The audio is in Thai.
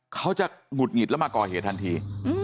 เขาจะหงุดหงิดแล้วมาก่อเหตุทันที